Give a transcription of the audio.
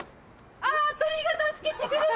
あ鳥が助けてくれた！